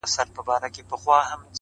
o مرغۍ الوتې وه ـ خالي قفس ته ودرېدم ـ